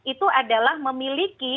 itu adalah memiliki